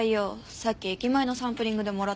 さっき駅前のサンプリングでもらったの。